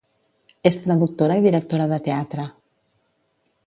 És traductora i directora de teatre.